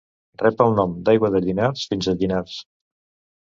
Rep el nom d'Aigua de Llinars fins a Llinars.